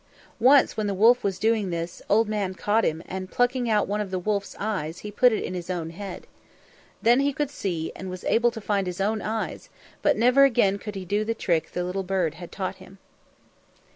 Once when the wolf was doing this, Old Man caught him, and plucking out one of the wolf's eyes, he put it in his own head. Then he could see, and was able to find his own eyes, but never again could he do the trick the little bird had taught him.